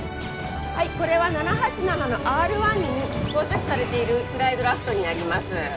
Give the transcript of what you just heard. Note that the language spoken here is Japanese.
はいこれは７８７のＲ１に装着されているスライドラフトになります。